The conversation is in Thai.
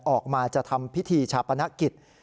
ออกมาจะทำพิธีชาปนกิจ